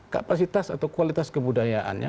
kapasitas atau kualitas kebudayaannya